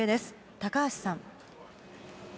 高橋さん。